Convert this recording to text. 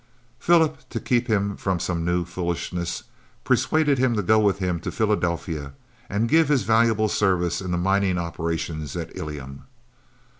Philip, to keep him from some new foolishness, persuaded him to go with him to Philadelphia; and, give his valuable services in the mining operations at Ilium.